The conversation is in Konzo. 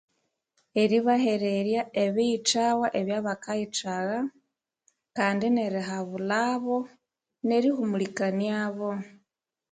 Eribahererya ebiyithawa ebyabakayithagha kandi nerihabulhabo nerihumulikaniabo